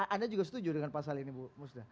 anda juga setuju dengan pasal ini bu musda